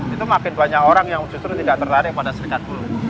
itu makin banyak orang yang justru tidak tertarik pada serikat buruh